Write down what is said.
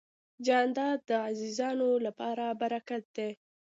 جانداد د عزیزانو لپاره برکت دی.